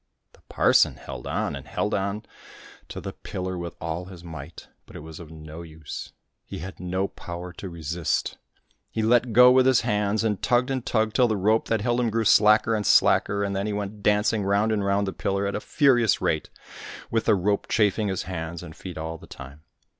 The parson held on and held on to the pillar with all his might, but it was of no use. He had no power to resist ; he let go with his hands, and tugged and tugged till the rope that held him grew slacker and slacker, and then he went dancing round and round the pillar at a furious rate, with the rope chafing his hands and feet all the time.